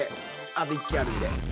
あと１機あるので。